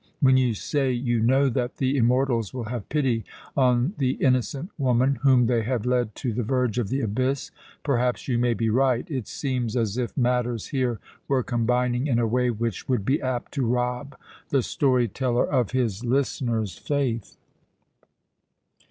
When you say you know that the immortals will have pity on the innocent woman whom they have led to the verge of the abyss, perhaps you may be right. It seems as if matters here were combining in a way which would be apt to rob the story teller of his listener's faith."